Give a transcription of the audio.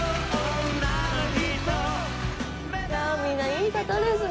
みんないい方ですね。